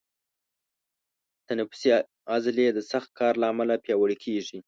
تنفسي عضلې د سخت کار له امله پیاوړي کېږي.